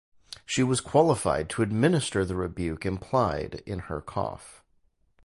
She was qualified to administer the rebuke implied in her cough.